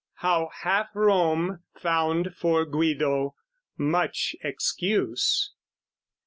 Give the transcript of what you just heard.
How Half Rome found for Guido much excuse.